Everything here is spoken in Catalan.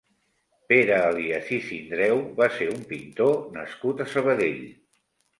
Pere Elias i Sindreu va ser un pintor nascut a Sabadell.